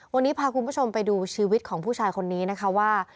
วันนี้พาคุณผู้ชมไปดูชีวิตของผู้ชายคนนี้นะคะว่า